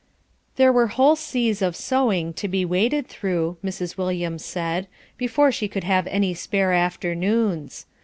There were whole seas of sewing to be waded through, Mrs. Williams said, before she could have any spare afternoons.